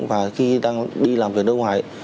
và khi đang đi làm việc nước ngoài